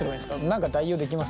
何か代用できます？